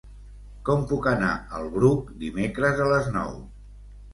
Com puc anar al Bruc dimecres a les nou?